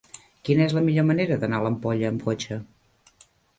Quina és la millor manera d'anar a l'Ampolla amb cotxe?